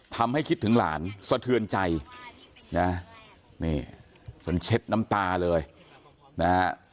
คิดถึงหลานสะเทือนใจนะนี่จนเช็ดน้ำตาเลยนะฮะ